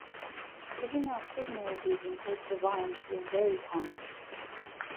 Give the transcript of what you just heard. Giving out signals using coats of arms was very common.